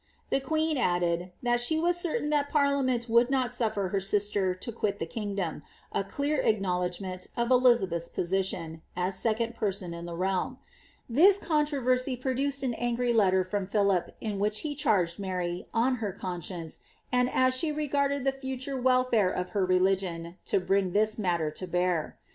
The queen added, that she was certain that parliament would not sufler her sister to quit the kingdom — a clear acknowledg ment of Elizabeth^s position, as second person in the realm. This conUroversy produced an angry letter from Philip, in which he charged Mary, on her conscience, and as she regarded the future wel&re of her religion, to bring this matter to bear.